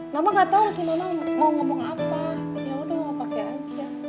mama gak tau selama mau ngomong apa yaudah mama pake aja